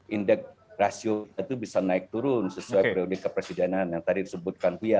indeks rasio itu bisa naik turun sesuai prioritas kepresidenan yang tadi disebutkan fia